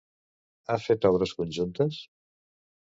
Ha fet obres conjuntes?